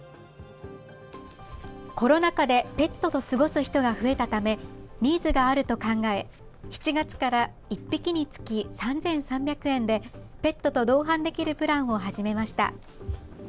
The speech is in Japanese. コロナ禍でペットと過ごす人が増えたため、ニーズがあると考え、７月から１匹につき３３００円で、ペットと同伴できるプランを始めました。